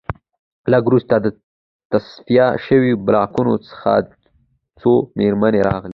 لږ وروسته د تصفیه شویو بلاکونو څخه څو مېرمنې راغلې